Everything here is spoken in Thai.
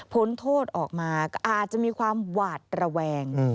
พ้นโทษออกมาก็อาจจะมีความหวาดระแวง